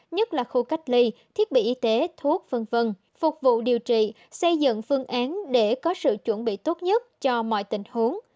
nhất là khu cách ly thiết bị y tế thuốc v v phục vụ điều trị xây dựng phương án để có sự chuẩn bị tốt nhất cho mọi tình huống